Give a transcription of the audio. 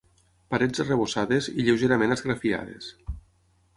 Parets arrebossades i lleugerament esgrafiades.